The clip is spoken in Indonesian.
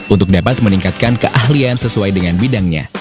untuk dapat meningkatkan keahlian sesuai dengan bidangnya